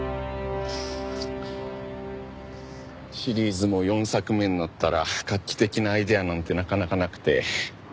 シリーズも４作目になったら画期的なアイデアなんてなかなかなくて。